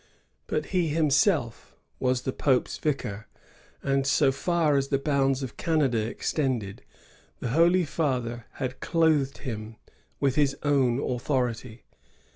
But he himself was the Pope's vicar, and, so far as the bounds of Canada extended, the Holy Father had clothed him with his own authority.